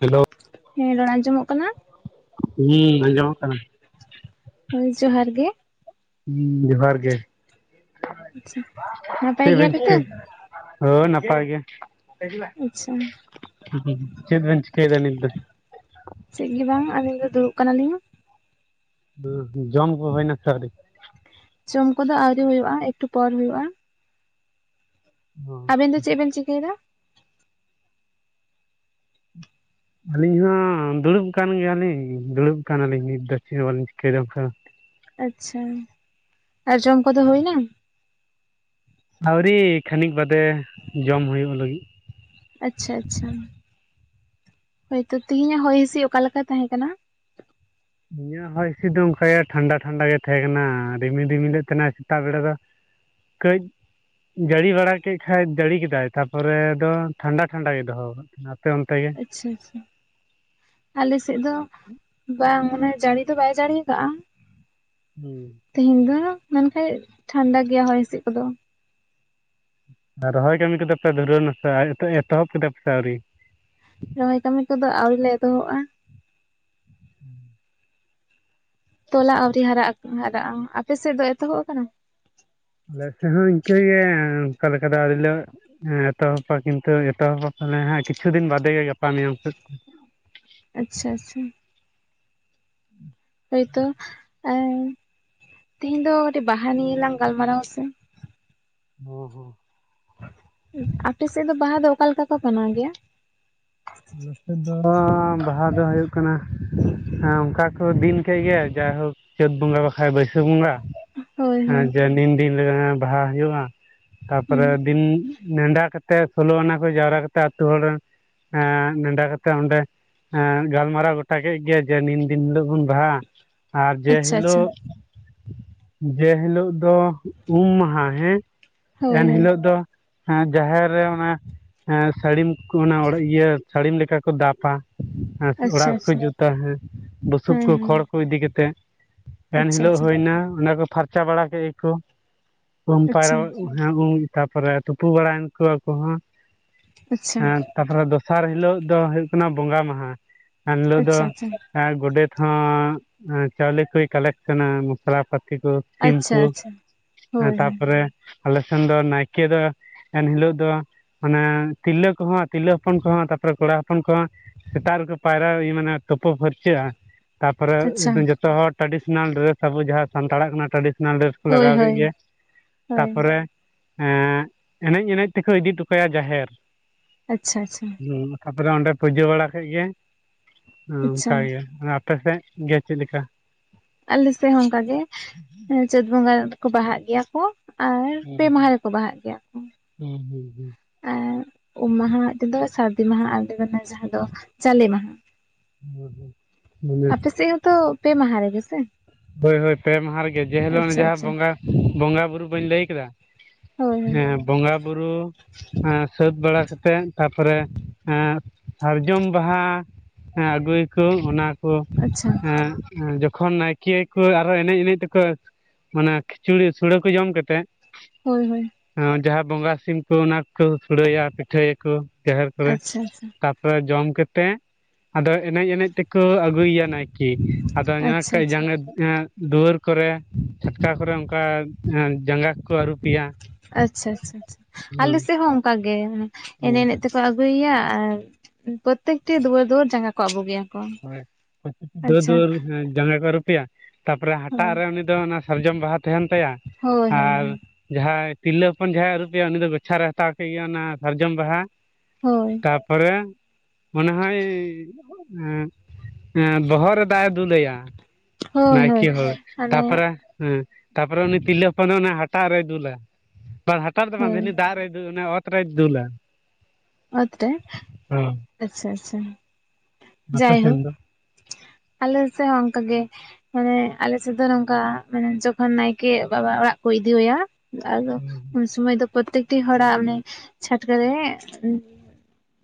Hello ᱦᱮᱸ ᱨᱚᱲ ᱟᱸᱡᱚᱢᱚᱜ ᱠᱟᱱᱟ ᱡᱤ ᱟᱸᱡᱚᱢᱚᱜ ᱠᱟᱱᱟ ᱦᱚᱭ ᱡᱚᱦᱟᱨ ᱜᱮ ᱦᱩᱸ ᱡᱚᱦᱟᱨ ᱜᱮ [inaudible] ᱱᱟᱯᱟᱭ ᱪᱮᱫ ᱵᱮᱱ ᱜᱮᱭᱟᱯᱮ ᱛᱚ? ᱪᱤᱠᱟᱹ ᱦᱳᱭ ᱱᱟᱯᱟᱭ ᱜᱮ ᱟᱪᱪᱷᱟ [unintelligible] ᱪᱮᱫ ᱵᱮᱱ ᱪᱤᱠᱟᱹᱭᱫᱟ ᱱᱤᱛ ᱫᱚ ᱪᱮᱫ ᱜᱮ ᱵᱟᱝ ᱟᱹᱞᱤᱧ ᱫᱚ ᱫᱩᱲᱩᱵ ᱠᱟᱱᱟᱞᱤᱧ ᱡᱚᱢ ᱠᱚ ᱦᱩᱭᱱᱟ ᱥᱮ ᱟᱹᱶᱨᱤ ᱡᱚᱢ ᱠᱚᱫᱚ ᱟᱹᱣᱨᱤ ᱦᱩᱭᱩᱜ-ᱟ ᱮᱠᱴᱩ ᱯᱚᱨ ᱦᱩᱭᱩᱜ-ᱟ ᱚ ᱟᱵᱮᱱ ᱫᱚ ᱪᱮᱫ ᱵᱮᱱ ᱪᱤᱠᱟᱹᱭᱮᱫᱟ ᱟᱹᱞᱤᱧ ᱦᱚᱸ ᱫᱩᱲᱩᱵ ᱠᱟᱱ ᱜᱮᱭᱟᱞᱤᱧ ᱫᱩᱲᱩᱵ ᱠᱟᱱᱟᱞᱤᱧ ᱱᱤᱛ ᱫᱚ ᱪᱮᱫ ᱦᱚᱸ ᱵᱟᱞᱤᱧ ᱪᱤᱠᱟᱹᱭᱮᱫᱟ ᱚᱱᱠᱟ ᱟᱪᱪᱷᱟ ᱟᱨ ᱡᱚᱢ ᱠᱚᱫᱚ ᱦᱩᱭ ᱮᱱᱟ ᱟᱹᱣᱨᱤ ᱠᱷᱟᱹᱱᱤᱠ ᱵᱟᱫᱮ ᱡᱚᱢ ᱦᱩᱭᱩᱜ ᱞᱟᱹᱜᱤᱫ ᱟᱪᱪᱷᱟ ᱟᱪᱪᱷᱟ ᱦᱳᱭᱛᱚ ᱛᱤᱦᱤᱧᱟᱜ ᱦᱚᱭ ᱦᱸᱤᱥᱤᱫ ᱚᱠᱟ ᱞᱮᱠᱟ ᱛᱟᱦᱮᱸ ᱠᱟᱱᱟ ᱤᱧᱟᱹᱜ ᱦᱚᱭ ᱦᱤᱸᱥᱤᱫ ᱫᱚ ᱚᱱᱠᱟ ᱴᱷᱟᱱᱰᱟ ᱴᱷᱟᱱᱰᱟ ᱜᱮ ᱛᱟᱦᱮᱸ ᱠᱟᱱᱟ ᱨᱤᱢᱤᱞ ᱨᱤᱢᱤᱞ ᱛᱟᱦᱮᱱᱟ ᱥᱮᱛᱟᱜ ᱵᱮᱲᱟ ᱫᱚ ᱠᱟᱹᱡ ᱡᱟᱹᱲᱤ ᱵᱟᱲᱟ ᱠᱮᱫ ᱠᱷᱟᱱ ᱡᱟᱹᱲᱤ ᱠᱮᱫᱟᱭ ᱛᱟᱯᱚᱨᱮ ᱫᱚ ᱴᱷᱟᱱᱰᱟ ᱴᱷᱟᱱᱰᱟ ᱜᱮᱭ ᱫᱚᱦᱚ ᱟᱠᱟᱫᱟ ᱱᱟᱯᱮ ᱚᱱᱛᱮ ᱜᱮ ᱟᱪᱪᱷᱟ ᱟᱪᱪᱷᱟ ᱟᱞᱮᱥᱮᱫ ᱫᱚ ᱵᱟᱝ ᱢᱟᱱᱮ ᱡᱟᱹᱲᱤ ᱫᱚ ᱵᱟᱭ ᱡᱟᱲᱤ ᱟᱠᱟᱫᱟᱼᱟ ᱦᱩᱸ ᱛᱮᱦᱮᱧ ᱫᱚ ᱢᱮᱱᱠᱷᱟᱡ ᱴᱷᱟᱱᱰᱟ ᱜᱮᱭᱟ ᱦᱚᱭ ᱦᱤᱥᱤᱫ ᱠᱚᱫᱚ ᱟᱨ ᱨᱚᱦᱚᱭ ᱠᱟᱹᱢᱤ ᱠᱚᱫᱚ ᱯᱮ ᱫᱷᱩᱨᱟᱹ ᱱᱟᱥᱮ ᱮᱛᱚᱦᱚᱵ ᱠᱮᱫᱟ ᱯᱮ ᱥᱮ ᱟᱹᱣᱨᱤ ᱨᱚᱦᱚᱭ ᱠᱟᱹᱢᱤ ᱠᱚᱫᱚ ᱟᱹᱣᱨᱤ ᱞᱮ ᱮᱛᱚᱦᱚᱵ-ᱟ ᱦᱩᱸ ᱛᱚᱞᱟ ᱟᱹᱣᱨᱤ ᱦᱟᱨᱟᱜ ᱦᱟᱨᱟᱜᱼᱟ ᱟᱯᱮ ᱥᱮᱫ ᱫᱚ ᱮᱛᱚᱦᱚᱵ ᱟᱠᱟᱱᱟ ᱟᱞᱮ ᱥᱮᱜ ᱦᱚᱸ ᱤᱱᱠᱟᱹ ᱜᱮ ᱚᱱᱠᱟ ᱞᱮᱠᱟ ᱫᱚ ᱟᱹᱣᱨᱤ ᱞᱮ ᱦᱮᱸ ᱮᱛᱚᱦᱚᱵᱯᱟ ᱠᱤᱱᱛᱩ ᱮᱛᱚᱦᱚᱵᱟ ᱦᱮ ᱠᱤᱪᱷᱩ ᱫᱤᱱ ᱵᱟᱫᱮ ᱜᱮ ᱜᱟᱯᱟ ᱢᱮᱭᱟᱝ ᱥᱮᱫ ᱟᱪᱪᱷᱟ ᱟᱪᱪᱷᱟ ᱦᱳᱭᱛᱚ ᱮ ᱛᱤᱦᱤᱧ ᱫᱚ ᱠᱟᱹᱴᱤᱡ ᱵᱟᱦᱟ ᱱᱤᱭᱮ ᱞᱟᱝ ᱜᱟᱞᱢᱟᱨᱟᱣᱟ ᱥᱮ ᱦᱚᱸ ᱦᱚᱸ ᱟᱯᱮᱥᱮᱫ ᱫᱚ ᱵᱟᱦᱟ ᱫᱚ ᱚᱠᱟ ᱞᱮᱠᱟ ᱠᱚ ᱢᱟᱱᱟᱣ ᱜᱮᱭᱟ ᱟᱞᱮᱥᱮᱫ ᱫᱚ ᱵᱟᱦᱟ ᱫᱚ ᱦᱩᱭᱩᱜ ᱠᱟᱱᱟ ᱦᱮᱸ ᱚᱱᱠᱟ ᱠᱚ ᱫᱤᱱ ᱠᱮᱫ ᱜᱮ ᱡᱟᱭᱦᱳᱠ ᱪᱟᱹᱛ ᱵᱚᱸᱜᱟ ᱵᱟᱠᱷᱟᱡ ᱵᱟᱹᱭᱥᱟᱹᱠᱷ ᱵᱚᱸᱜᱟ ᱦᱳᱭ ᱦᱮᱸ ᱦᱳᱭ ᱡᱮ ᱱᱤᱱ ᱫᱤᱱ ᱨᱮ ᱵᱟᱦᱟ ᱦᱩᱭᱩᱜᱼᱟ ᱦᱩᱸ ᱛᱟᱯᱚᱨᱮ ᱫᱤᱱ ᱱᱮᱰᱟ ᱠᱟᱛᱮᱫ ᱥᱳᱞᱳ ᱟᱱᱟ ᱠᱚ ᱡᱟᱣᱨᱟ ᱠᱟᱛᱮ ᱟᱛᱳ ᱦᱚᱲ ᱨᱮᱱ ᱱᱮᱰᱟ ᱠᱟᱛᱮ ᱚᱸᱰᱮ ᱜᱟᱞᱢᱟᱨᱟᱣ ᱜᱚᱴᱟ ᱠᱮᱫ ᱜᱮ ᱡᱮ ᱱᱤᱱ ᱫᱤᱱ ᱦᱤᱞᱳᱜ ᱵᱚᱱ ᱵᱟᱦᱟᱜᱼᱟ ᱟᱨ ᱡᱮ ᱟᱪᱪᱷᱟ ᱟᱪᱪᱷᱟ ᱦᱤᱞᱳᱜ ᱡᱮ ᱦᱤᱞᱳᱜ ᱫᱚ ᱩᱢ ᱢᱟᱦᱟ ᱦᱮᱸ ᱦᱳᱭ ᱦᱳᱭ ᱮᱱᱦᱤᱞᱳᱜ ᱫᱚ ᱡᱟᱦᱮᱨ ᱨᱮ ᱚᱱᱟ ᱥᱟᱹᱲᱤᱢ ᱠᱚ ᱚᱱᱟ ᱚᱲᱮᱜ ᱤᱭᱟᱹ ᱥᱟᱹᱲᱤᱢ ᱞᱮᱠᱟ ᱠᱚ ᱫᱟᱵᱟ ᱦᱮᱸ ᱟᱪᱪᱷᱟ ᱚᱲᱟᱜ ᱠᱚᱠᱚ ᱟᱪᱪᱷᱟ ᱡᱩᱛᱟ ᱦᱮᱸ ᱵᱩᱥᱩᱵ ᱦᱮᱸ ᱠᱚ ᱦᱮᱸ ᱠᱷᱚᱲ ᱠᱚ ᱠᱚ ᱤᱫᱤ ᱠᱟᱛᱮᱫ ᱮᱱ ᱟᱪᱪᱷᱟ ᱦᱤᱞᱳᱜ ᱟᱪᱪᱷᱟ ᱦᱩᱭᱱᱟ ᱚᱸᱰᱮ ᱠᱚ ᱯᱷᱟᱨᱪᱟ ᱵᱟᱲᱟ ᱠᱮᱜ ᱜᱮᱠᱚ ᱩᱢ ᱯᱟᱭᱨᱟ ᱟᱪᱪᱷᱟ ᱦᱮ ᱩᱢ ᱛᱟᱯᱚᱨᱮ ᱛᱩᱯᱩ ᱵᱟᱲᱟᱭᱮᱱ ᱠᱚ ᱟᱠᱩ ᱦᱚᱸ ᱟᱪᱪᱷᱟ ᱛᱟᱨᱯᱚᱨᱮ ᱫᱚᱥᱟᱨ ᱦᱤᱞᱳᱜ ᱫᱚ ᱦᱩᱭᱩᱜ ᱠᱟᱱᱟ ᱵᱚᱸᱜᱟ ᱢᱟᱦᱟᱸ ᱮᱱ ᱦᱤᱞᱳᱜ ᱫᱚ ᱟᱪᱪᱷᱟ ᱟᱪᱪᱷᱟ ᱟᱨ ᱜᱚᱰᱮᱛ ᱦᱚᱸ ᱪᱟᱣᱞᱮ ᱠᱚᱭ ᱠᱟᱞᱮᱠᱥᱮᱱᱟ ᱢᱚᱥᱞᱟ ᱯᱟᱹᱛᱤ ᱠᱚ ᱥᱤᱢ ᱟᱪᱪᱷᱟ ᱠᱚ ᱟᱪᱪᱷᱟ ᱦᱮ ᱦᱳᱭ ᱦᱳᱭ ᱛᱟᱯᱚᱨᱮ ᱟᱞᱮ ᱥᱮᱱ ᱫᱚ ᱱᱟᱭᱠᱮ ᱫᱚ ᱮᱱᱦᱤᱞᱚᱜ ᱫᱚ ᱚᱱᱟ ᱛᱤᱨᱞᱟᱹ ᱠᱚᱦᱚᱸ ᱛᱤᱨᱞᱟᱹ ᱦᱚᱯᱚᱱ ᱠᱚᱦᱚᱸ ᱛᱟᱯᱚᱨᱮ ᱠᱚᱲᱟ ᱦᱚᱯᱚᱱ ᱠᱚᱦᱚᱸ ᱥᱮᱛᱟᱜ ᱨᱮᱠᱚ ᱯᱟᱭᱨᱟ ᱢᱟᱱᱮ ᱛᱩᱯᱩ ᱯᱷᱟᱨᱪᱟᱹᱜᱼᱟ ᱛᱟᱨᱯᱚᱨᱮ ᱟᱪᱪᱷᱟ ᱡᱚᱛᱚ ᱦᱚᱲ ᱴᱨᱟᱰᱤᱥᱚᱱᱟᱞ ᱰᱨᱮᱥ ᱟᱵᱚ ᱡᱟᱦᱟᱸ ᱥᱟᱱᱛᱟᱲᱟᱜ ᱠᱟᱱᱟ ᱴᱨᱟᱰᱤᱥᱚᱱᱟᱞ ᱰᱨᱮᱥ ᱦᱳᱭ ᱞᱟᱜᱟᱣ ᱠᱮᱫ ᱦᱳᱭ ᱜᱮ ᱦᱳᱭ ᱛᱟᱯᱚᱨᱮ ᱮᱱᱮᱡ ᱮᱱᱮᱡ ᱛᱮᱠᱚ ᱤᱫᱤ ᱴᱚᱠᱟᱭᱟ ᱡᱟᱦᱮᱨ ᱟᱪᱪᱷᱟ ᱟᱪᱪᱷᱟ ᱦᱩ ᱛᱟᱯᱚᱨᱮ ᱚᱸᱰᱮ ᱯᱩᱡᱟᱹ ᱵᱟᱲᱟ ᱠᱮᱫ ᱜᱮ ᱦᱮᱸ ᱟᱪᱪᱷᱟ ᱚᱱᱠᱟ ᱜᱮ ᱟᱯᱮ ᱥᱮᱫ ᱜᱮ ᱪᱮᱫ ᱞᱮᱠᱟ ᱟᱞᱮ ᱥᱮᱫ ᱦᱚᱸ ᱚᱱᱠᱟ ᱜᱮ ᱪᱟᱹᱛ ᱵᱚᱸᱜᱟ ᱠᱚ ᱵᱟᱦᱟᱜ ᱜᱮᱭᱟ ᱠᱚ ᱟᱨ ᱦᱩᱸ ᱯᱮ ᱢᱟᱦᱟ ᱨᱮᱠᱚ ᱵᱟᱦᱟᱜ ᱜᱮᱭᱟ ᱠᱚ ᱦᱩᱸ ᱦᱩᱸ ᱦᱩᱸ ᱮᱸᱫ ᱩᱢ ᱢᱟᱦᱟ ᱛᱮᱫᱚ ᱥᱟᱹᱨᱫᱤ ᱢᱟᱦᱟ ᱟᱨᱛᱮᱫ ᱠᱟᱱᱟ ᱡᱟᱦᱟᱸ ᱫᱚ ᱡᱟᱞᱮ ᱢᱟᱦᱟ [inaudible] ᱢᱟᱱᱮ ᱟᱯᱮᱥᱮᱫ ᱦᱚᱸᱛᱚ ᱯᱮ ᱢᱟᱦᱟ ᱨᱮᱜᱮ ᱥᱮ ᱦᱳᱭ ᱦᱳᱭ ᱯᱮ ᱢᱟᱦᱟ ᱨᱮᱜᱮ ᱡᱮ ᱦᱤᱞᱳᱜ ᱟᱪᱪᱷᱟ ᱡᱟᱦᱟᱸ ᱟᱪᱪᱷᱟ ᱵᱚᱸᱜᱟ ᱵᱚᱸᱜᱟ ᱵᱩᱨᱩ ᱵᱟᱹᱧ ᱞᱟᱹᱭ ᱠᱮᱫᱟ ᱦᱳᱭ ᱦᱳᱭ ᱦᱮᱸ ᱵᱚᱸᱜᱟ ᱵᱩᱨᱩ ᱥᱟᱹᱛ ᱵᱟᱲᱟ ᱠᱟᱛᱮᱫ ᱛᱟᱨᱯᱚᱨᱮ ᱥᱟᱨᱡᱚᱢ ᱵᱟᱦᱟ ᱦᱮᱸ ᱟᱹᱜᱩᱭᱟᱠᱚ ᱚᱱᱟᱠᱚ ᱟᱪᱪᱷᱟ ᱡᱚᱠᱷᱚᱱ ᱱᱟᱭᱠᱮ ᱠᱤᱭᱟᱹ ᱠᱚ ᱟᱨᱦᱚ ᱮᱱᱮᱡ ᱮᱱᱮᱡ ᱛᱮᱠᱚ ᱢᱟᱱᱮ ᱠᱷᱤᱪᱩᱲᱤ ᱥᱚᱲᱮ ᱠᱚ ᱡᱚᱢ ᱠᱟᱛᱮᱫ ᱦᱳᱭ ᱦᱳᱭ ᱡᱟᱦᱟᱸ ᱵᱚᱸᱜᱟ ᱥᱤᱢ ᱠᱚ ᱚᱱᱟᱠᱚ ᱥᱩᱲᱟᱹ ᱭᱟ ᱯᱤᱴᱷᱟᱹ ᱭᱟᱠᱚ ᱡᱟᱦᱮᱨ ᱠᱚᱨᱮ ᱟᱪᱪᱷᱟ ᱟᱪᱪᱷᱟ ᱡᱚᱢ ᱠᱟᱛᱮ ᱟᱫᱚ ᱮᱱᱮᱡ ᱮᱱᱮᱡ ᱛᱮᱠᱚ ᱟᱹᱜᱩᱭᱮᱭᱟ ᱱᱟᱭᱠᱮ [unintelligible] ᱟᱫᱚ ᱟᱪᱪᱷᱟ ᱟᱪᱪᱷᱟ [unintelligible] ᱫᱩᱣᱟᱹᱨ ᱠᱚᱨᱮ ᱪᱷᱟᱴᱠᱟ ᱠᱚᱨᱮ ᱚᱱᱠᱟ ᱡᱟᱸᱜᱟ ᱠᱚ ᱟᱹᱨᱩᱯᱮᱭᱟ ᱟᱪᱪᱷᱟ ᱟᱪᱪᱷᱟ ᱟᱪᱷᱟ ᱟᱞᱮ ᱥᱮᱫ ᱦᱚᱸ ᱚᱱᱠᱟ ᱜᱮ ᱮᱱᱮᱡ ᱮᱱᱮᱡ ᱛᱮᱠᱚ ᱟᱹᱜᱩᱭᱮᱭᱟ ᱟᱨ ᱯᱨᱚᱛᱮᱠᱴᱤ ᱫᱩᱣᱟᱹᱨ ᱫᱩᱣᱟᱹᱨ ᱡᱟᱸᱜᱟ ᱠᱚ ᱟᱵᱩᱜᱮᱭᱟ ᱦᱳᱭ ᱫᱩᱣᱟᱹᱨ ᱫᱩᱣᱟᱹᱨ ᱡᱟᱸᱜᱟ ᱠᱚ ᱟᱨᱩᱯᱮᱭᱟ ᱛᱟᱨᱯᱚᱨ ᱦᱟᱴᱟᱜ ᱦᱳᱭ ᱨᱮ ᱚᱱᱮ ᱫᱚ ᱚᱱᱟ ᱥᱟᱨᱡᱚᱢ ᱵᱟᱦᱟ ᱛᱟᱦᱮᱱ ᱛᱟᱭᱟ ᱦᱳᱭ ᱟᱨ ᱦᱳᱭ ᱡᱟᱦᱟᱸᱭ ᱛᱤᱨᱞᱟᱹ ᱠᱷᱚᱱ ᱡᱟᱦᱟᱸᱭ ᱟᱹᱨᱩᱵᱮᱭᱟ ᱩᱱᱤ ᱫᱚ ᱜᱚᱪᱷᱟ ᱨᱮ ᱦᱟᱛᱟᱣ ᱠᱮᱫ ᱜᱮ ᱚᱱᱟ ᱥᱟᱨᱡᱚᱢ ᱵᱟᱦᱟ ᱦᱳᱭ ᱛᱟᱯᱚᱨᱮ ᱢᱚᱱᱮ ᱦᱚᱭ ᱦᱮᱸ ᱵᱚᱦᱚᱜ ᱨᱮ ᱫᱟᱜ ᱮ ᱫᱩᱞ ᱟᱭᱟ ᱱᱟᱭᱠᱮ ᱦᱳᱭ ᱢᱟᱱᱮ ᱛᱟᱯᱚᱨᱮ ᱦᱮᱸ ᱛᱟᱯᱚᱨᱮ ᱩᱱᱤ ᱛᱤᱨᱞᱟᱹ ᱦᱚᱯᱚᱱ ᱚᱱᱟ ᱦᱟᱴᱟᱜ ᱨᱮᱭ ᱫᱩᱞᱟ [unintelligible] ᱫᱚ ᱵᱟᱝ ᱦᱳᱭ ᱩᱱᱤ ᱫᱟᱜ ᱨᱮ ᱫᱩᱞ ᱮ ᱚᱱᱟ ᱚᱛ ᱨᱮᱭ ᱫᱩᱞᱟ ᱚᱛ ᱨᱮ ᱚ ᱟᱪᱪᱷᱟ ᱟᱪᱪᱷᱟ ᱟᱯᱮ ᱡᱟᱭᱦᱳ ᱥᱮᱱ ᱫᱚ ᱟᱞ ᱥᱮᱫ ᱦᱚᱸ ᱚᱱᱠᱟ ᱜᱮ ᱢᱟᱱᱮ ᱟᱞᱮ ᱥᱮᱫ ᱫᱚ ᱱᱚᱝᱠᱟ ᱢᱟᱱᱮ ᱡᱚᱠᱷᱚᱱ ᱱᱟᱭᱠᱮ ᱵᱟᱵᱟ ᱚᱲᱟᱜ ᱠᱚ ᱤᱫᱤ ᱟᱭᱟ ᱟᱫᱚ ᱩᱱ ᱥᱩᱚᱢᱟᱹᱭ ᱫᱚ ᱯᱨᱚᱛᱛᱮᱠᱴᱤ ᱦᱚᱲᱟᱜ ᱚᱱᱮ ᱪᱷᱟᱴᱠᱟ ᱨᱮ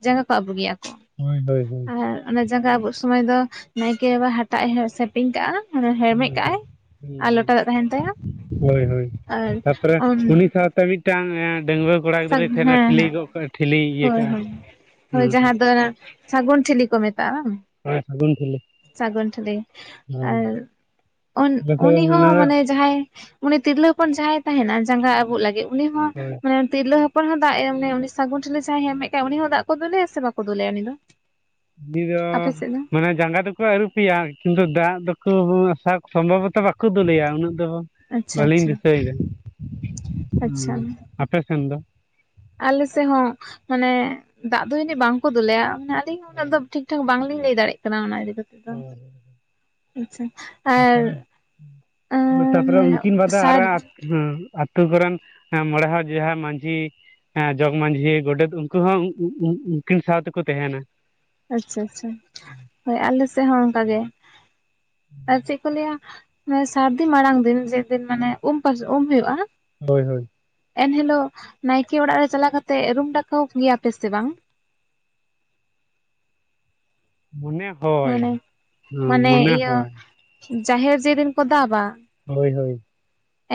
ᱡᱟᱸᱜᱟ ᱠᱚ ᱟᱵᱩᱜᱮᱭᱟ ᱠᱚ ᱦᱳᱭ ᱦᱳᱭ ᱦᱳᱭ ᱟᱨ ᱚᱱᱟ ᱡᱟᱸᱜᱟ ᱟᱵᱩᱜ ᱥᱚᱢᱚᱭ ᱫᱚ ᱱᱟᱭᱠᱮ ᱵᱟᱵᱟ ᱦᱟᱴᱟᱜ ᱮ ᱥᱮᱯᱤᱧ ᱠᱟᱜᱼᱟ ᱢᱟᱱᱮ ᱦᱮᱨᱢᱮᱫ ᱠᱟᱜᱼ ᱟᱭ ᱦ ᱦ ᱦᱳᱭ ᱦᱳᱭ ᱟᱨ ᱛᱟᱯᱚᱨᱮ ᱩᱱ ᱩᱱᱤ ᱥᱟᱶᱛᱮ ᱢᱤᱫ ᱢᱤᱫᱴᱟᱝ ᱰᱺᱝᱣᱟᱹ ᱠᱚᱲᱟ ᱦᱮᱸ ᱜᱤᱫᱽᱨᱟᱹᱭ ᱛᱟᱦᱮᱱᱟ ᱦᱮᱸ ᱴᱷᱤᱞᱤ ᱜᱚᱜ ᱠᱟᱜ-ᱟ ᱴᱷᱞᱤ ᱦᱳᱭ ᱦᱳᱭ ᱦᱳᱭ ᱡᱟᱦᱟᱸ ᱫᱚ ᱥᱟᱜᱩᱱ ᱴᱷᱤᱞᱤ ᱠᱚ ᱢᱮᱛᱟᱜᱼᱟ ᱵᱟᱝ ᱦᱳᱭ ᱥᱟᱹᱜᱩᱱ ᱴᱷᱤᱞᱟ ᱥᱟᱜᱩᱱ ᱴᱷᱤᱞᱤ ᱟᱨ ᱩᱱᱤ ᱦᱚᱸ ᱢᱟᱱᱮ ᱡᱟᱦᱟᱸᱭ ᱩᱱᱤ ᱛᱤᱨᱞᱟᱹ ᱦᱚᱯᱚᱱ ᱡᱟᱦᱟᱸᱭ ᱛᱟᱦᱮᱱᱟ ᱡᱟᱸᱜᱟ ᱟᱵᱩᱜ ᱞᱟᱹᱜᱤᱫ ᱩᱱᱤ ᱦᱚᱸ ᱦᱳᱭ ᱢᱟᱱᱮ ᱛᱤᱨᱞᱟᱹ ᱦᱚᱯᱚᱱ [unintelligible] ᱫᱟᱜ ᱮ ᱢᱟᱱᱮ ᱩᱱᱤ ᱥᱟᱹᱜᱩᱱ ᱴᱷᱤᱞᱤ ᱡᱟᱦᱟᱸᱭᱮ ᱦᱮᱨᱢᱮᱫ ᱠᱟᱜ ᱩᱱᱤ ᱦᱚᱸ ᱫᱟᱜ ᱠᱚ ᱫᱩᱞᱮᱭᱟ ᱥᱮ ᱵᱟᱠᱚ ᱫᱩᱞᱮᱭᱟ ᱩᱱᱤ ᱫᱚ ᱩᱱᱤ ᱫᱚ ᱟᱯᱮ ᱥᱮᱫ ᱫᱚ ᱢᱟᱱᱮ ᱡᱟᱸᱜᱟ ᱫᱚ ᱠᱚ ᱟᱹᱨᱩᱯᱮᱭᱟ ᱠᱤᱱᱛᱩ ᱫᱟᱜ ᱫᱚᱠᱚ ᱥᱚᱢᱵᱷᱚᱵᱚᱛᱚ ᱵᱟᱠᱚ ᱫᱩᱞᱮᱭᱟ ᱩᱱᱟᱹᱜ ᱫᱚ ᱟᱪᱪᱷᱟ ᱵᱟᱞᱤᱧ ᱟᱪᱪᱷᱟ ᱫᱤᱥᱟᱹᱭ ᱫᱟ ᱟᱪᱪᱷᱟ ᱟᱯᱮ ᱥᱮᱱ ᱫᱚ ᱟᱞᱮ ᱥᱮ‌ ᱦᱚᱸ ᱢᱟᱱᱮ ᱫᱟᱜ ᱫᱚ ᱡᱟᱹᱱᱤᱡ ᱵᱟᱝᱠᱚ ᱫᱩᱞᱮᱭᱟ ᱢᱟᱱᱮ ᱟᱞᱤᱧ ᱦᱚᱸ ᱩᱱᱟᱹᱜ ᱫᱚ ᱴᱷᱤᱠ ᱴᱷᱟᱠ ᱵᱟᱝᱞᱤᱧ ᱞᱟᱹᱭ ᱫᱟᱲᱮᱜ ᱠᱟᱱᱟ ᱚᱱᱟ ᱤᱫᱤ ᱠᱟᱛᱮ ᱫᱚ ᱟᱪᱪᱷᱟ ᱟᱨ ᱛᱟᱯᱚᱨᱮ ᱛᱟᱯᱚᱨᱮ ᱩᱱᱠᱤᱱ ᱵᱟᱫᱮ ᱟᱨ ᱥᱟᱨ ᱦᱩᱸ ᱟᱛᱩ ᱠᱚᱨᱮᱱ ᱢᱚᱬᱮ ᱦᱚᱲ ᱡᱟᱦᱟᱸ ᱢᱟᱡᱷᱤ ᱦᱮᱸ ᱡᱚᱜᱽ ᱢᱟᱡᱷᱤ ᱜᱚᱰᱮᱛ ᱩᱱᱠᱩ ᱦᱚᱸ ᱩᱸᱜ ᱩᱸᱜ ᱩᱸᱜ ᱩᱱᱠᱤᱱ ᱥᱟᱶᱛᱮᱠᱚ ᱛᱟᱦᱮᱱᱟ ᱟᱪᱪᱷᱟ ᱟᱪᱪᱷᱟ ᱦᱳᱭ ᱟᱞᱮ ᱥᱮᱫ ᱦᱚᱸ ᱚᱱᱠᱟ ᱜᱮ ᱟᱨ ᱪᱮᱫ ᱠᱚ ᱞᱟᱹᱭᱟ ᱥᱟᱨᱫᱤ ᱢᱟᱲᱟᱝ ᱫᱤᱱ ᱡᱮᱫᱤᱱ ᱢᱟᱱᱮ ᱩᱢ ᱯᱟᱥ ᱩᱢ ᱦᱩᱭᱩᱜᱼᱟ ᱦᱳᱭ ᱦᱳᱭ ᱮᱱᱦᱤᱞᱳᱜ ᱱᱟᱭᱠᱮ ᱚᱲᱟᱜ ᱨᱮ ᱪᱟᱞᱟᱣ ᱠᱟᱛᱮᱜ ᱨᱩᱢ ᱰᱟᱠᱟᱣ ᱜᱮᱭᱟ ᱯᱮ ᱥᱮ ᱵᱟᱝ ᱢᱚᱱᱮ ᱦᱚᱭ ᱢᱟᱱᱮ ᱢᱟᱱᱮ ᱢᱚᱱᱮ ᱤᱭᱟᱹ ᱦᱚᱭ ᱡᱟᱦᱮᱨ ᱡᱮ ᱫᱤᱱ ᱠᱚ‌ ᱫᱟᱵᱟ ᱦᱳᱭ ᱦᱳᱭ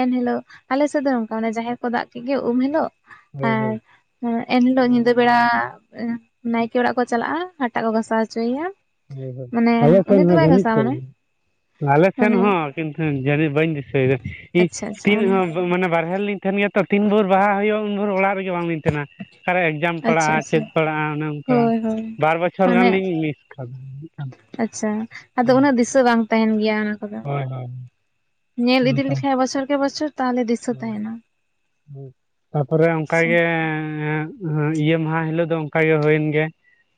ᱮᱱᱦᱤᱞᱳᱜ ᱟᱞᱮ ᱥᱮᱫ ᱫᱚ ᱱᱚᱝᱠᱟ ᱢᱟᱱᱮ ᱡᱟᱦᱮᱨ ᱠᱚ ᱫᱟᱜ ᱠᱮᱫ ᱜᱮ ᱩᱢ ᱦᱤᱞᱳᱜ ᱦᱳᱭ ᱟᱨ ᱦᱳᱭ ᱦᱮᱸ ᱮᱱᱦᱤᱞᱚᱜ ᱧᱤᱫᱟᱹ ᱵᱮᱲᱟ ᱱᱟᱭᱠᱮ ᱚᱲᱟᱜ ᱠᱚ ᱪᱟᱞᱟᱜᱼᱟ ᱦᱟᱴᱟᱜ ᱠᱚ ᱜᱟᱥᱟᱣ ᱦᱚᱪᱚᱭᱮᱭᱟ ᱦᱳᱭ ᱦᱳᱭ ᱢᱟᱱᱮ ᱟᱞᱮ ᱩᱱᱤ ᱥᱮᱱ ᱫᱚ ᱦᱚᱸ ᱵᱟᱭ ᱡᱟᱹᱱᱤᱡ ᱜᱷᱟᱥᱟᱣᱟ ᱢᱟᱱᱮ ᱪᱚᱝ ᱟᱞᱮ ᱥᱮᱱ ᱢᱟᱱᱮ ᱦᱚᱸ ᱠᱤᱱᱛᱩ ᱡᱟᱱᱤᱡ ᱵᱟᱹᱧ ᱫᱤᱥᱟᱹᱭᱮᱫᱟ ᱤᱧ ᱟᱪᱪᱷᱟ ᱟᱪᱪᱷᱟ ᱛᱤᱱ ᱢᱟᱱᱮ ᱢᱟᱱᱮ ᱵᱟᱨᱦᱮ ᱞᱤᱧ ᱠᱟᱹᱢᱤᱭᱟ ᱛᱚ ᱛᱤᱱ ᱵᱷᱳᱨ ᱵᱟᱦᱟ ᱦᱩᱭᱩᱜᱼᱟ ᱩᱱ ᱵᱷᱳᱨ ᱚᱲᱟᱜ ᱨᱮᱜᱮ ᱵᱟᱝᱞᱤᱧ ᱛᱟᱦᱮᱱᱟ ᱟᱨ ᱡᱟᱢ ᱟᱪᱪᱷᱟ ᱯᱟᱲᱟᱜᱼᱟ ᱟᱪᱪᱷᱟ ᱪᱮᱫ ᱯᱟᱲᱟᱜᱼᱟ ᱚᱱᱮ ᱚᱱᱠᱟ ᱦᱳᱭ ᱦᱳᱭ ᱵᱟᱨ ᱵᱚᱪᱷᱚᱨ ᱜᱟᱱ ᱢᱟᱱᱮ ᱞᱤᱧ ᱢᱤᱥ ᱠᱟᱫ ᱟᱪᱪᱷᱟ ᱟᱫᱚ ᱩᱱᱟᱹᱜ ᱫᱤᱥᱟᱹ ᱵᱟᱝ ᱛᱟᱦᱮᱱ ᱜᱮᱭᱟ ᱚᱱᱟ ᱠᱚᱫᱚ ᱦᱳᱭ ᱦᱳᱭ ᱧᱮᱞ ᱤᱫᱤ ᱚᱱᱠᱟ ᱦᱳᱭ ᱞᱮᱠᱷᱟᱡ ᱵᱚᱪᱷᱚᱨ ᱠᱮ ᱵᱚᱪᱷᱚᱨ ᱛᱟᱦᱚᱞᱮ ᱫᱤᱥᱟᱹ ᱛᱟᱦᱮᱱᱟ ᱛᱟᱯᱚᱨᱮ ᱚᱱᱠᱟ ᱟᱪᱪᱷᱟ ᱜᱮᱻᱻᱻ ᱦᱮ ᱤᱭᱟᱹ ᱢᱟᱦᱟ ᱦᱤᱞᱳᱜ ᱫᱚ ᱚᱱᱠᱟ ᱜᱮ ᱦᱩᱭᱮᱱ ᱜᱮ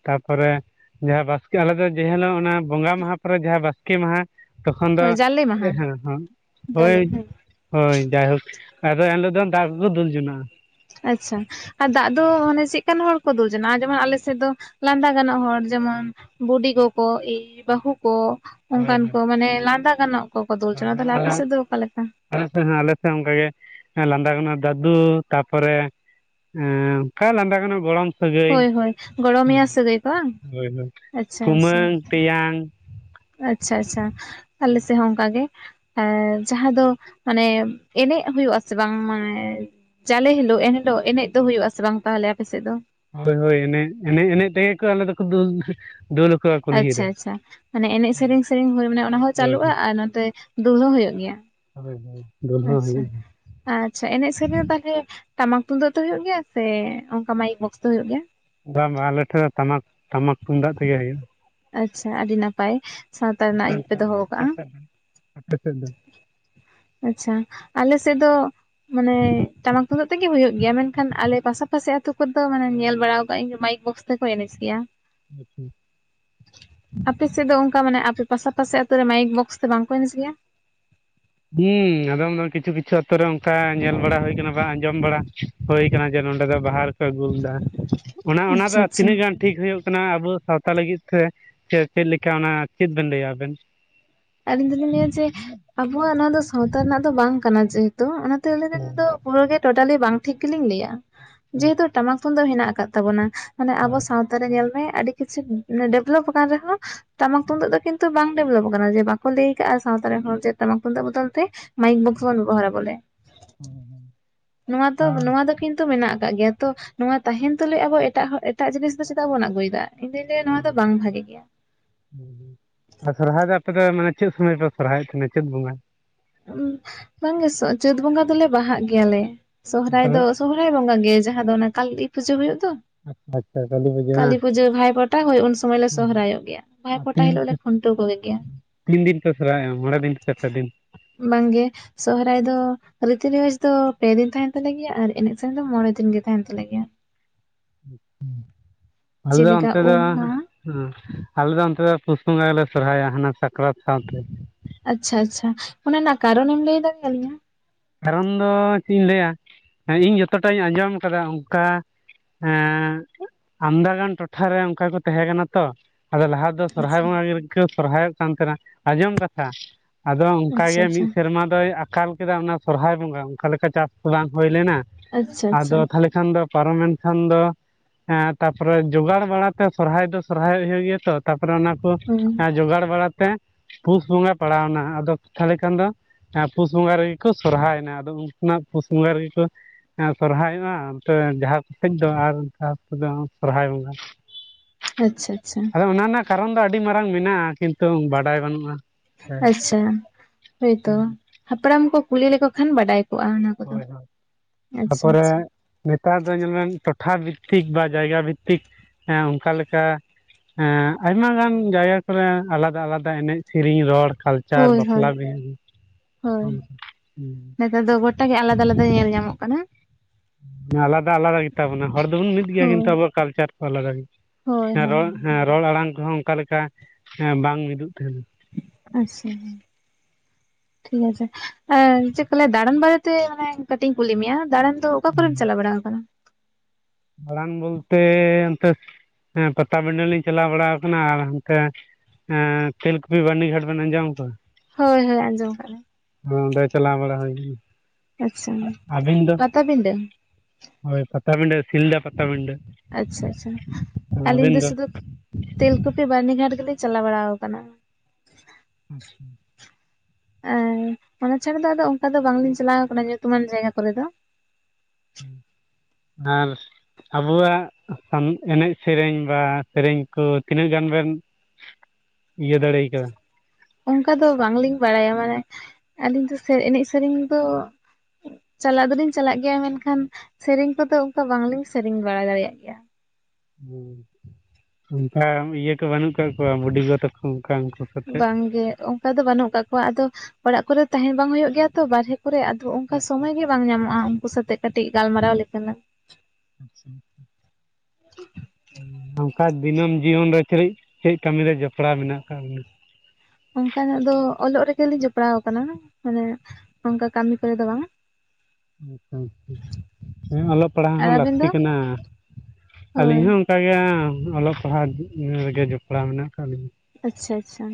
ᱛᱟᱯᱚᱨᱮ ᱡᱟᱦᱟ ᱵᱟᱥᱠᱮ ᱟᱞᱮ ᱫᱚ ᱡᱮ ᱦᱮᱞᱳᱜ ᱚᱱᱟ ᱵᱚᱸᱜᱟ ᱢᱟᱦᱟ ᱯᱚᱨᱮ ᱡᱟᱦᱟᱸ ᱵᱟᱥᱠᱮ ᱢᱟᱦᱟ ᱛᱚᱠᱷᱚᱱ ᱫᱚ ᱦᱳᱭ ᱡᱟᱞᱮ ᱮ ᱢᱟᱦᱟ ᱦᱮᱸ ᱦᱟᱸ ᱦᱳᱭ ᱦᱳᱭ ᱡᱟᱭᱦᱳᱠ ᱟᱫᱚ ᱮᱱᱦᱤᱞᱳᱜ ᱫᱚ ᱫᱟᱜ ᱠᱩᱠᱩ ᱫᱩᱞ ᱡᱚᱱᱟᱜᱼᱟ ᱟᱪᱪᱷᱟ ᱟᱨ ᱫᱟᱜ ᱫᱚ ᱢᱟᱱᱮ ᱪᱮᱫ ᱠᱟᱱ ᱦᱚᱲ ᱠᱚ ᱫᱩᱞ ᱡᱚᱱᱟᱜ-ᱟ ᱟᱨ ᱡᱮᱢᱚᱱ ᱟᱞᱮ ᱥᱮᱫ ᱫᱚ ᱞᱟᱸᱫᱟ ᱜᱟᱱᱚᱜ ᱦᱚᱲ, ᱡᱮᱢᱚᱱ ᱵᱩᱰᱤ ᱜᱚ ᱠᱚ ᱮᱭ ᱵᱟᱦᱩ ᱠᱚ, ᱚᱱᱠᱟᱱ ᱠᱚ ᱢᱟᱱᱮ ᱞᱟᱸᱫᱟ ᱜᱟᱱᱚᱜ ᱠᱚᱠᱚ ᱫᱩᱞ ᱡᱚᱱᱟ᱾ ᱟᱫᱚ ᱛᱟᱦᱚᱞᱮ ᱟᱯᱮ ᱥᱮᱫ ᱫᱚ ᱚᱠᱟᱞᱮᱠᱟ? ᱟᱞᱮᱥᱮᱫ ᱦᱚᱸ ᱟᱞᱮᱥᱮᱫ ᱚᱱᱠᱟ ᱜᱮ ᱞᱟᱸᱫᱟ ᱜᱟᱱᱚᱜ ᱫᱟᱫᱩ ᱛᱟᱯᱚᱨᱮ ᱮᱸ ᱚᱠᱟ ᱞᱟᱸᱫᱟ ᱜᱟᱱᱚᱜ ᱜᱚᱲᱚᱢ ᱥᱟᱹᱜᱟᱹᱭ ᱦᱳᱭ ᱦᱳᱭ ᱜᱚᱲᱚᱢᱮᱭᱟ ᱥᱟᱹᱜᱟᱹᱭ ᱠᱚ ᱵᱟᱝ ᱦᱳᱭ ᱦᱳᱭ ᱟᱪᱪᱷᱟ ᱟᱪᱪᱷᱟ ᱠᱩᱢᱟᱹᱝ, ᱛᱮᱭᱟᱝ- ᱟᱪᱪᱷᱟ ᱟᱪᱪᱷᱟ ᱟᱞᱮ ᱥᱮᱫ ᱦᱚᱸ ᱚᱱᱠᱟ ᱜᱮ᱾ ᱦᱮᱸ ᱡᱟᱦᱟᱸ ᱫᱚ ᱢᱟᱱᱮ ᱮᱱᱮᱡ ᱦᱩᱭᱩᱜ ᱟᱥᱮ ᱵᱟᱝ? ᱢᱟᱱᱮ ᱪᱟᱞᱮ ᱦᱤᱞᱳᱜ ᱮᱱᱦᱤᱞᱳᱜ ᱮᱱᱮᱡ ᱫᱚ ᱦᱩᱭᱩᱜ ᱟᱥᱮ ᱵᱟᱝ ᱛᱟᱦᱚᱞᱮ ᱟᱯᱮ ᱥᱮᱫ ᱫᱚ? ᱦᱳᱭ ᱦᱳᱭ ᱮᱱᱮᱡ ᱮᱱᱮᱡ ᱮᱱᱮᱡ ᱛᱮᱜᱮ ᱠᱚ ᱟᱞᱮ ᱫᱚᱠᱚ ᱫᱟᱹᱞ ᱫᱩᱞ ᱠᱚᱣᱟᱠᱚ᱾ ᱟᱪᱪᱷᱟ ᱟᱪᱪᱷᱟ ᱢᱟᱱᱮ ᱮᱱᱮᱡ ᱥᱮᱨᱮᱧ ᱥᱮᱨᱮᱧ ᱦᱩᱭ ᱢᱟᱱᱮ ᱚᱱᱟ ᱦᱚᱸ ᱦᱳᱭ ᱪᱟᱞᱩᱜᱼᱟ᱾ᱟᱨ ᱱᱚᱛᱮ ᱫᱩᱞ ᱦᱚᱸ ᱦᱩᱭᱩᱜ ᱜᱮᱭᱟ? ᱦᱳᱭ ᱦᱳᱭ᱾ ᱫᱩᱞ ᱦᱚᱸ ᱟᱪᱪᱷᱟ ᱦᱩᱭᱩᱜ ᱟᱪᱪᱷᱟ ᱮᱱᱮᱡ ᱥᱮᱨᱮᱧ ᱛᱟᱦᱞᱮ ᱴᱟᱢᱟᱠ ᱛᱩᱢᱫᱟᱜ ᱫᱚ ᱦᱳᱭᱳᱜ ᱜᱮᱭᱟ ᱥᱮ ᱚᱱᱠᱟ ᱢᱟᱭᱤᱠ ᱵᱚᱠᱥ ᱛᱮ ᱦᱳᱭᱳᱜ ᱜᱮᱭᱟ? ᱵᱟᱝ ᱵᱟ ᱟᱞᱮ ᱴᱷᱮᱡ ᱫᱚ ᱴᱟᱢᱟᱠ ᱴᱟᱢᱟᱠ ᱛᱩᱢᱫᱟᱜ ᱛᱮᱜᱮ ᱦᱩᱭᱩᱜ-ᱟ᱾ ᱟᱪᱪᱷᱟ ᱟᱰᱤ ᱱᱟᱯᱟᱭ ᱥᱟᱶᱛᱟ ᱨᱮᱱᱟᱜ ᱤᱭᱟᱹ ᱯᱮ ᱫᱚᱦᱚᱣ ᱠᱟᱜᱼᱟ᱾ ᱟᱯᱮ ᱥᱮᱫ ᱫᱚ ᱟᱪᱪᱷᱟ ᱟᱞᱮ ᱥᱮᱫ ᱫᱚ ᱢᱟᱱᱮ ᱴᱟᱢᱟᱠ ᱛᱩᱢᱫᱟᱜ ᱛᱮᱜᱮ ᱦᱩᱭᱩᱜ ᱜᱮᱭᱟ, ᱢᱮᱱᱠᱷᱟᱱ ᱟᱞᱮ ᱯᱟᱥᱟᱯᱟᱥᱤ ᱟᱛᱩ ᱠᱚᱨᱫᱚ ᱢᱟᱱᱮ ᱧᱮᱞ ᱵᱟᱲᱟᱣ ᱠᱟᱜᱼᱟ ᱤᱧ ᱢᱟᱭᱤᱠ ᱵᱚᱠᱥ ᱛᱮᱠᱚ ᱮᱱᱮᱡ ᱜᱮᱭᱟ᱾ [unintelligible] ᱟᱯᱮᱥᱮᱫ ᱫᱚ ᱚᱝᱠᱟ ᱢᱟᱱᱮ ᱟᱯᱮ ᱯᱟᱥᱟ ᱯᱟᱥᱮ ᱟᱛᱳ ᱨᱮ ᱢᱟᱭᱤᱠ ᱵᱚᱠᱥ ᱛᱮ ᱵᱟᱝᱠᱚ ᱮᱱᱮᱡ ᱜᱮᱭᱟ? ᱦᱩᱸ ᱟᱫᱚᱢ ᱫᱚ ᱠᱤᱪᱷᱩ ᱠᱤᱪᱷᱩ ᱟᱛᱚ ᱨᱮ ᱚᱱᱠᱟ ᱧᱮᱞ ᱵᱟᱲᱟ ᱦᱳᱭ ᱠᱟᱱᱟ, ᱵᱟᱝ ᱟᱸᱡᱚᱢ ᱵᱟᱲᱟ ᱦᱳᱭ ᱠᱟᱱᱟ ᱡᱮ ᱱᱚᱸᱰᱮ ᱫᱚ ᱵᱟᱦᱟ ᱨᱮᱠᱚ ᱟᱹᱜᱩᱞᱮᱫᱟ, ᱚᱱᱟ ᱟᱪᱪᱷᱟ ᱚᱱᱟᱫᱚ ᱟᱪᱪᱷᱟ ᱛᱤᱱᱟᱹᱜ ᱜᱟᱱ ᱴᱷᱤᱠ ᱦᱩᱭᱩᱜ ᱠᱟᱱᱟ ᱟᱵᱚ ᱥᱟᱶᱛᱟ ᱞᱟᱹᱜᱤᱫ ᱛᱮ, ᱥᱮ ᱪᱮᱫ ᱞᱮᱠᱟ ᱚᱱᱟ ᱪᱮᱫ ᱵᱮᱱ ᱞᱟᱹᱭᱟ ᱟᱵᱮᱱ? ᱟᱞᱤᱧ ᱫᱚᱞᱤᱧ ᱞᱟᱹᱭᱟ ᱡᱮ ᱟᱵᱚᱣᱟᱜ ᱱᱚᱣᱟ ᱫᱚ ᱥᱟᱶᱛᱟ ᱨᱮᱱᱟᱜ ᱫᱚ ᱵᱟᱝ ᱠᱟᱱᱟ ᱡᱮᱦᱮᱛᱩ ᱚᱱᱟ ᱚᱱᱟ ᱫᱚ ᱯᱩᱨᱟᱹᱜ ᱜᱮ ᱴᱳᱴᱟᱞᱤ ᱵᱟᱝ ᱴᱷᱤᱠ ᱜᱮᱞᱤᱧ ᱞᱟᱹᱭᱟ᱾ ᱡᱮᱦᱮᱛᱩ ᱴᱟᱢᱟᱠ ᱛᱩᱢᱫᱚᱜ ᱦᱮᱱᱟᱜ ᱟᱠᱟᱫ ᱛᱟᱵᱚᱱᱟ ᱢᱟᱱᱮ ᱟᱵᱚ ᱥᱟᱶ ᱛᱟᱨᱮ ᱧᱮᱞ ᱢᱮ ᱟᱹᱰᱤ ᱠᱤᱪᱷᱩ ᱰᱮᱵᱷᱞᱚᱯ ᱟᱠᱟᱱ ᱨᱮᱦᱚᱸ ᱴᱟᱢᱟᱠ ᱛᱩᱢᱫᱟᱹᱜ ᱫᱚ ᱠᱤᱱᱛᱩ ᱵᱟᱝ ᱰᱮᱵᱷᱞᱚᱯ ᱟᱠᱟᱱᱟ ᱡᱮ ᱵᱟᱠᱚ ᱞᱟᱹᱭ ᱟᱠᱟᱫᱼᱟ ᱥᱟᱶᱛᱟ ᱨᱮᱱ ᱦᱚᱲ ᱪᱮᱫ ᱴᱟᱢᱟᱠ ᱛᱩᱢᱫᱟᱹᱜ ᱵᱚᱫᱚᱞ ᱛᱮ ᱢᱟᱭᱤᱠ ᱵᱚᱠᱥ ᱵᱚᱱ ᱵᱮᱵᱚᱦᱟᱨᱟ ᱵᱚᱞᱮ᱾ ᱦᱮᱸ ᱦᱩᱸ ᱱᱚᱣᱟ ᱫᱚ ᱱᱚᱣᱟ ᱫᱚ ᱠᱤᱱᱛᱩ ᱢᱮᱱᱟᱜ ᱟᱠᱟᱜ ᱜᱮᱭᱟ ᱛᱚ᱾ ᱱᱚᱣᱟ ᱛᱟᱦᱮᱱ ᱛᱩᱞᱩᱡ ᱟᱵᱚ ᱮᱴᱟᱜ ᱮᱴᱟᱜ ᱡᱤᱱᱤᱥ ᱫᱚ ᱪᱮᱫᱟᱜ ᱵᱩᱱ ᱟᱜᱩᱭᱫᱟ ᱤᱧ ᱫᱩᱧ ᱞᱟᱹᱭᱟ ᱱᱚᱣᱟ ᱫᱚ ᱵᱟᱝ ᱵᱷᱟᱜᱮ ᱜᱮᱭᱟ᱾ ᱦᱩᱸ ᱟᱨ ᱥᱚᱨᱦᱟᱭ ᱫᱚ ᱟᱯᱮ ᱫᱚ ᱢᱟᱱᱮ ᱪᱮᱫ ᱥᱚᱢᱚᱭ ᱯᱮ ᱥᱚᱨᱦᱟᱭᱚᱜ ᱛᱟᱦᱮᱱᱟ ᱪᱮᱫ ᱵᱚᱸᱜᱟ? ᱵᱟᱝᱜᱮ ᱪᱟᱹᱛ ᱵᱚᱸᱜᱟ ᱫᱚᱞᱮ ᱵᱟᱦᱟᱜ ᱜᱮᱭᱟᱞᱮ᱾ ᱥᱚᱦᱦᱟᱭ ᱫᱚ ᱥᱚᱦᱨᱟᱭ ᱵᱚᱸᱜᱟ ᱜᱮ ᱡᱟᱦᱟᱸ ᱫᱚ ᱚᱱᱟ ᱠᱟᱹᱞᱤ ᱯᱩᱡᱟᱹ ᱦᱩᱭᱩᱜ ᱫᱚ ᱠᱟᱹᱞᱤ ᱯᱩᱡᱟᱹ ᱵᱷᱟᱭ ᱯᱷᱚ ᱴᱟ ᱦᱳᱭ ᱩᱱ ᱥᱚᱢᱟᱹᱭ ᱞᱮ ᱥᱚᱦᱚᱨᱟᱭᱚᱜ ᱜᱮᱭᱟ, ᱵᱷᱟᱭ ᱯᱷᱳᱴᱟ ᱛᱤᱱ ᱦᱤᱞᱳᱜ ᱞᱮ ᱠᱷᱩᱱᱴᱟᱹᱣ ᱠᱚᱜᱮ ᱜᱮᱭᱟ᱾ ᱛᱤᱱ ᱫᱤᱱ ᱯᱮ ᱥᱚᱨᱦᱟᱭᱚᱜᱼᱟ, ᱢᱚᱬᱮ ᱫᱤᱱ ᱥᱮ ᱯᱮ ᱫᱤᱱ? ᱵᱟᱝᱜᱮ ᱥᱚᱦᱨᱟᱭ ᱫᱚ ᱨᱤᱛᱤ ᱨᱮᱣᱟᱡᱽ ᱫᱚ ᱯᱮ ᱫᱤᱱ ᱛᱟᱦᱮᱱ ᱛᱟᱞᱮ ᱜᱮᱭᱟ, ᱟᱨ ᱮᱱᱮᱡ ᱥᱮᱨᱮᱧ ᱫᱚ ᱢᱚᱬᱮ ᱫᱤᱱ ᱜᱮ ᱛᱟᱦᱮᱱ ᱛᱟᱞᱮ ᱜᱮᱭᱟ᱾ ᱟᱞᱮ ᱫᱚ ᱡᱮᱞᱮᱠᱟ ᱚᱱᱛᱮ ᱫᱚ ᱩᱢ ᱦᱩᱸ ᱢᱟᱦᱟ ᱟᱞᱮ ᱫᱚ ᱚᱱᱛᱮ ᱫᱚ ᱯᱩᱥ ᱵᱚᱸᱜᱟ ᱜᱮᱞᱮ ᱥᱚᱨᱦᱟᱭᱚᱜᱼᱟ, ᱦᱟᱱᱟ ᱥᱟᱠᱨᱟᱛ ᱥᱟᱶᱛᱮ᱾ ᱟᱪᱪᱷᱟ ᱟᱪᱪᱷᱟ ᱚᱱᱟ ᱨᱮᱱᱟᱜ ᱠᱟᱨᱚᱱᱮᱢ ᱞᱟᱹᱭ ᱫᱟᱲᱮᱭᱟᱞᱤᱧᱟ? ᱠᱟᱨᱚᱱ ᱫᱚ ᱪᱮᱫ ᱤᱧ ᱞᱟᱹᱭᱟ ᱤᱧ ᱡᱚᱛᱚᱴᱟᱧ ᱟᱸᱡᱚᱢ ᱠᱟᱫᱟ, ᱚᱝᱠᱟ? ᱮᱸ ᱟᱢᱫᱟᱜᱟᱱ ᱴᱚᱴᱷᱟᱨᱮ ᱚᱱᱠᱟ ᱠᱚ ᱛᱟᱦᱮᱸ ᱠᱟᱱᱟ ᱛᱚ, ᱟᱫᱚ ᱞᱟᱦᱟ ᱫᱚ ᱥᱚᱨᱦᱟᱭ ᱟᱪᱪᱷᱟ ᱵᱚᱸᱜᱟ ᱜᱮᱠᱚ ᱥᱚᱨᱦᱟᱭᱚᱜ ᱠᱟᱱ ᱛᱟᱦᱮᱱᱟ᱾ ᱟᱸᱡᱚᱢ ᱠᱟᱛᱷᱟ, ᱟᱫᱚ ᱚᱝᱠᱟ ᱜᱮ ᱢᱤᱫ ᱟᱪᱪᱷᱟ ᱥᱮᱨᱢᱟ ᱫᱚᱭ ᱟᱠᱟᱞ ᱠᱮᱫᱟ ᱚᱱᱟ ᱥᱚᱨᱦᱟᱭ ᱵᱚᱸᱜᱟ ᱚᱱᱠᱟ ᱞᱮᱠᱟ ᱪᱟᱥ ᱵᱟᱝ ᱦᱩᱭ ᱞᱮᱱᱟ᱾ ᱟᱪᱪᱷᱟ ᱟᱪᱪᱷᱟ ᱟᱫᱚ ᱛᱟᱦᱚᱞᱮ ᱠᱷᱟᱱ ᱫᱚ ᱯᱟᱨᱚᱢᱮᱱ ᱠᱷᱟᱱ ᱫᱚ ᱦᱮᱸ ᱛᱟᱯᱚᱨᱮ ᱡᱚᱜᱟᱲ ᱵᱟᱲᱟᱛᱮ ᱥᱚᱨᱦᱟᱭ ᱫᱚ ᱥᱚᱨᱦᱟᱭ ᱦᱩᱭᱩᱜ ᱜᱮᱭᱟ ᱛᱚ ᱛᱟᱯᱚᱨᱮ ᱚᱱᱟ ᱠᱚ, ᱦᱩᱸ ᱡᱚᱜᱟᱲ ᱵᱟᱲᱟᱛᱮ ᱯᱩᱥ ᱵᱚᱸᱜᱟ ᱯᱟᱲᱟᱣᱱᱟ ᱟᱫᱚ ᱛᱟᱦᱚᱞᱮ ᱠᱷᱟᱱ ᱫᱚ ᱯᱩᱥ ᱵᱚᱸᱜᱟ ᱨᱮ ᱠᱚ ᱥᱚᱨᱦᱟᱭᱮᱱᱟ ᱟᱫᱚ ᱩᱱᱠᱩᱱᱟᱜ ᱯᱩᱥ ᱵᱚᱸᱜᱟ ᱨᱮᱜᱮ ᱠᱚ ᱥᱚᱨᱦᱟᱭᱚᱜᱼᱟ ᱥᱮ ᱡᱟᱦᱟᱸ ᱥᱮᱡ ᱫᱚ ᱟᱨ [unintelligible] ᱫᱚ ᱥᱚᱨᱦᱟᱭ ᱵᱚᱸᱜᱟ ᱟᱪᱪᱷᱟ ᱟᱪᱪᱷᱟ ᱟᱫᱚ ᱚᱱᱟ ᱨᱮᱱᱟᱜ ᱠᱟᱨᱚᱱ ᱫᱚ ᱟᱹᱰᱤ ᱢᱟᱨᱟᱝ ᱢᱮᱱᱟᱜᱼᱟ᱾ ᱠᱤᱱᱛᱩ ᱵᱟᱰᱟᱭ ᱵᱟᱹᱱᱩᱜᱼᱟ᱾ ᱟᱪᱪᱷᱟ ᱦᱳᱭᱛᱚ ᱦᱟᱯᱲᱟᱢ ᱠᱚ ᱠᱩᱞᱤ ᱞᱮᱠᱚ ᱠᱷᱟᱱ ᱵᱟᱰᱟᱭ ᱠᱚᱜᱼᱟ ᱚᱱᱟ ᱠᱚᱫᱚ ᱟᱪᱪᱷᱟ ᱛᱟᱯᱚᱨᱮ ᱟᱪᱪᱷᱟ ᱱᱮᱛᱟᱨ ᱫᱚ ᱧᱮᱞᱢᱮᱱ ᱴᱚᱴᱷᱟ ᱵᱷᱤᱛᱛᱤᱠ ᱵᱟ ᱡᱟᱭᱜᱟ ᱵᱷᱤᱛᱛᱤᱠ ᱚᱝᱠᱟ ᱞᱮᱠᱟ ᱮᱸ ᱟᱭᱢᱟ ᱜᱟᱱ ᱡᱟᱭᱜᱟ ᱠᱚᱨᱮ ᱟᱞᱟᱫᱟ ᱟᱞᱟᱫᱟ ᱮᱱᱮᱡ ᱥᱮᱨᱮᱧ ᱨᱚᱲ ᱠᱟᱞ ᱪᱟᱨ ᱦᱳᱭ ᱦᱳᱭ ᱵᱟᱯᱞᱟ ᱵᱤᱦᱟᱹ ᱦᱚᱸ ᱦᱸ ᱟᱞᱮ ᱫᱚ ᱜᱚᱴᱟᱜᱮ ᱟᱞᱟᱫᱟ ᱟᱞᱟᱫᱟ ᱧᱮᱞ ᱧᱟᱢᱚᱜ ᱠᱟᱱᱟ᱾ ᱟᱞᱟᱫᱟ ᱟᱞᱟᱫᱟ ᱜᱮᱛᱟᱵᱚᱱᱟ ᱦᱚᱲ ᱫᱚᱵᱚᱱ ᱢᱤᱫ ᱜᱮᱭᱟ ᱠᱤᱱᱛᱩ ᱦᱳᱭ ᱟᱵᱚᱣᱟᱜ ᱠᱟᱞᱪᱟᱨ ᱠᱚ ᱟᱞᱟᱫᱟ ᱜᱮ ᱦᱳᱭ ᱦᱮᱸ ᱦᱳᱭ ᱨᱚᱲ ᱦᱮᱸ ᱨᱚᱲ ᱟᱲᱟᱝ ᱠᱚᱦᱚᱸ ᱚᱱᱠᱟᱮᱠᱟᱸ ᱵᱟᱝ ᱢᱤᱫᱚᱜ ᱛᱟᱦᱮᱱᱟ᱾ ᱟᱪᱪᱷᱟ ᱴᱷᱤᱠ ᱟᱪᱷᱮ ᱪᱮᱫ ᱠᱚ ᱞᱮᱭᱟ ᱫᱟᱬᱟᱱ ᱵᱟᱨᱮᱛᱮ ᱢᱟᱱᱮ ᱠᱟᱹᱴᱤᱡ ᱤᱧ ᱠᱩᱞᱤ ᱢᱮᱭᱟ ᱫᱟᱬᱟᱱ ᱛᱚ ᱚᱠᱟ ᱠᱚᱨᱮᱢ ᱪᱟᱞᱟᱣ ᱵᱟᱲᱟ ᱟᱠᱟᱱᱟ? ᱫᱟᱬᱟᱱ ᱵᱚᱞᱛᱮ ᱚᱱᱛᱮ ᱯᱟᱛᱟᱵᱤᱰᱟᱹ ᱞᱤᱧ ᱪᱟᱞᱟᱣ ᱵᱟᱲᱟ ᱠᱟᱱᱟ ᱟᱨ ᱦᱟᱱᱛᱮ ᱮᱸ ᱛᱮᱞᱠᱩᱯᱤ ᱵᱟᱹᱨᱱᱤᱜᱷᱟᱴ ᱵᱮᱱ ᱟᱸᱡᱚᱢ ᱠᱟᱜᱼᱟ᱾ ᱦᱳᱭ ᱦᱳᱭ ᱟᱸᱡᱚᱢ ᱟᱠᱟᱜᱼᱞᱤᱧ ᱦᱸ ᱚᱸᱰᱮ ᱪᱟᱞᱟ ᱵᱟᱲᱟ ᱦᱩᱭ ᱞᱮᱱᱟ ᱟᱪᱪᱷᱟ ᱯᱟᱛᱟᱵᱤᱫᱟᱹ ᱦᱳᱭ ᱯᱟᱛᱟᱵᱤᱰᱟᱹ ᱥᱤᱞᱫᱟᱹ ᱯᱟᱛᱟᱵᱤᱰᱟᱹ ᱟᱪᱪᱷᱟ ᱟᱪᱪᱷᱟ ᱟᱹᱞᱤᱧ ᱫᱚ ᱥᱩᱫᱩ ᱛᱮᱞᱠᱩᱯᱤ ᱵᱟᱹᱨᱱᱤᱜᱷᱟᱴ ᱜᱮᱞᱤᱧ ᱪᱟᱞᱟᱣ ᱵᱟᱲᱟ ᱠᱟᱱᱟ᱾ ᱟᱪᱪᱷᱟ ᱮ ᱚᱱᱟ ᱪᱷᱟᱲᱟ ᱫᱚ ᱟᱫᱚ ᱚᱱᱠᱟ ᱫᱚ ᱵᱟᱝᱞᱤᱧ ᱪᱟᱞᱟᱣ ᱠᱟᱱᱟ ᱧᱩᱛᱩᱢᱟᱱ ᱡᱟᱭᱜᱟ ᱠᱚᱨᱮ ᱫᱚ [unintelligible] ᱟᱨ ᱟᱵᱚᱣᱟᱜ [unintelligible] ᱮᱱᱮᱡ ᱥᱮᱨᱮᱧ ᱵᱟ ᱥᱮᱨᱮᱧ ᱠᱚ ᱛᱤᱱᱟᱹᱜ ᱜᱟᱱ ᱵᱮᱱ ᱤᱭᱟᱹ ᱫᱟᱲᱮᱭ ᱠᱟᱫᱟ ᱚᱱᱠᱟ ᱫᱚ ᱵᱟᱝᱞᱤᱧ ᱵᱟᱲᱟᱭᱟ ᱢᱟᱱᱮ ᱟᱹᱞᱤᱧ ᱫᱚ ᱥᱮ ᱮᱱᱮᱡ ᱥᱮᱨᱮᱧ ᱫᱚ ᱪᱟᱞᱟᱜ ᱫᱚᱞᱤᱧ ᱪᱟᱞᱟᱜ ᱜᱮᱭᱟ ᱢᱮᱱᱠᱷᱟᱱ ᱥᱮᱨᱮᱧ ᱠᱚᱫᱚ ᱚᱝᱠᱟ ᱵᱟᱝᱞᱤᱧ ᱥᱮᱨᱮᱧ ᱵᱟᱲᱟ ᱫᱟᱲᱮᱭᱟᱜ ᱜᱮᱭᱟ᱾ ᱦᱮᱸ ᱚᱱᱠᱟ ᱤᱭᱟᱹ ᱠᱚ ᱵᱟᱹᱱᱩᱜ ᱠᱟᱜ ᱠᱚᱣᱟ ᱵᱩᱰᱤᱜᱚ ᱛᱟᱠᱚ ᱩᱱᱠᱩ ᱥᱟᱛᱮᱜ ᱵᱟᱝᱜᱮ ᱚᱝᱠᱟ ᱫᱚ ᱵᱟᱹᱱᱩᱜ ᱠᱟᱜ ᱠᱚᱣᱟ ᱟᱫᱚ ᱚᱲᱟᱜ ᱠᱚᱨᱮ ᱛᱟᱦᱮᱱ ᱵᱟᱝ ᱦᱩᱭᱩᱜ ᱜᱮᱭᱟ ᱛᱚ ᱵᱟᱨᱦᱮ ᱠᱚᱨᱮ ᱟᱫᱚ ᱚᱝᱠᱟ ᱟᱪᱪᱷᱟ ᱥᱚᱢᱚᱭ ᱜᱮ ᱵᱟᱝ ᱧᱟᱢᱚᱜᱼᱟ ᱩᱱᱠᱩ ᱥᱟᱛᱮᱜ ᱠᱟᱹᱴᱤᱡ ᱜᱟᱞᱢᱟᱨᱟᱣ ᱞᱮᱠᱟᱱᱟᱹᱜ ᱟᱪᱪᱷᱟ [unintelligible] [inaudible] ᱚᱱᱠᱟ ᱫᱤᱱᱟᱹᱢ ᱡᱤᱭᱚᱱ ᱨᱮ [unintelligible] ᱪᱮᱫ ᱠᱟᱹᱢᱤ ᱨᱮ ᱡᱚᱯᱲᱟᱣ ᱢᱮᱱᱟᱜ ᱠᱟᱜ ᱵᱤᱱᱟ ᱚᱱᱠᱟᱱᱟᱜ ᱫᱚ ᱚᱞᱚᱜ ᱨᱮᱜᱮᱞᱤᱧ ᱡᱚᱯᱲᱟᱣ ᱠᱟᱱᱟ ᱢᱟᱱᱮ ᱚᱱᱠᱟ ᱠᱟᱹᱢᱤ ᱠᱚᱨᱮ ᱫᱚ ᱵᱟᱝ ᱟᱪᱪᱷᱟ ᱟᱪᱪᱷᱟ ᱦᱮᱸ ᱚᱞᱚᱜ ᱯᱟᱲᱦᱟᱣ ᱟᱨ ᱦᱚᱸ ᱟᱵᱮᱱ ᱞᱟᱹᱠᱛᱤ ᱫᱚ ᱠᱟᱱᱟ ᱦᱳᱭ ᱟᱹᱞᱤᱧ ᱦᱚᱸ ᱚᱱᱠᱟᱜᱮ ᱦᱟᱜ ᱚᱞᱚᱜ ᱯᱟᱲᱦᱟᱣ ᱨᱮᱜᱮ ᱡᱚᱯᱲᱟᱣ ᱢᱮᱱᱟᱜ ᱠᱟᱜ ᱞᱤᱧᱟ ᱟᱪᱪᱷᱟ ᱟᱪᱪᱷᱟ